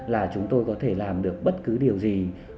là chúng tôi có thể làm được bất cứ điều gì